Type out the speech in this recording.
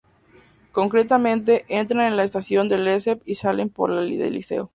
Concretamente, entran en la Estación de Lesseps y salen por la de Liceo.